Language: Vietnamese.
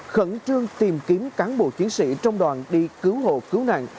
khẩn trương tìm kiếm cán bộ chiến sĩ trong đoàn đi cứu hộ cứu nạn